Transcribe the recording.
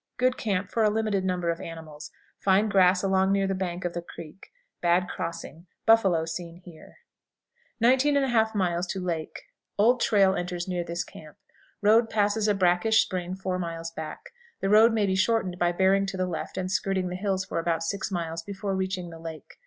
Good camp for a limited number of animals; fine grass along near the bank of the creek. Bad crossing. Buffalo seen here. 19 1/2. Lake. Old trail enters near this camp. Road passes a brackish spring four miles back. The road may be shortened by bearing to the left and skirting the hills for about six miles before reaching the lake.